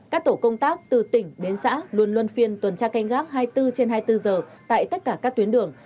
các tổ công tác từ tỉnh đến xã luôn luôn phiên tuần tra canh gác hai mươi bốn trên hai mươi bốn giờ tại tất cả các tuyến đường